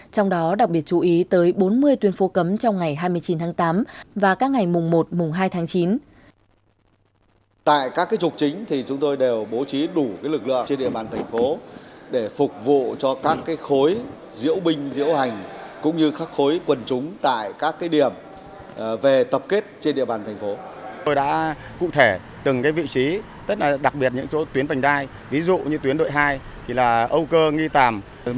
trong đó đặc biệt chú ý tới bốn mươi tuyến phố cấm